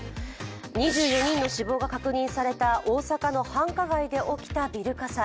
２４人の死亡が確認された大阪の繁華街で起きたビル火災。